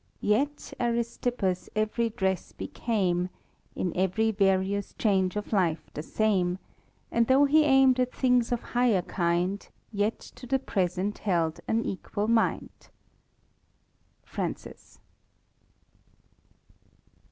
Yel Ariilifpus ev'ty dress b«camc, In ev'ry various change of life the same; And (hough he aim'd at things of higher kind, Vel to the present held an eiiual mind." Fkahcie.